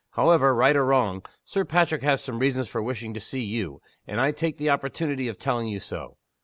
However, right or wrong, Sir Patrick has some reasons for wishing to see you and I take the opportunity of telling you so.